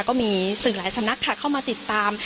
ก็มีสื่อหลายสำนักค่ะเข้ามาติดตาม